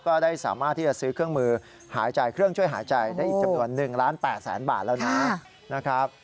ก็ได้สามารถที่จะซื้อเครื่องช่วยหายใจได้อีกจำนวน๑๘๐๐๐๐๐บาทแล้วนะครับ